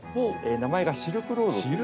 名前が「シルクロード」っていう。